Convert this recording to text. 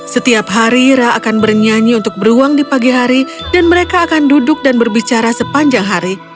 setiap hari ra akan bernyanyi untuk beruang di pagi hari dan mereka akan duduk dan berbicara sepanjang hari